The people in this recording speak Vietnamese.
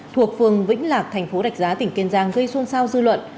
thuộc phường vĩnh lạc thành phố rạch giá tỉnh kiên giang gây xuân sao dư luận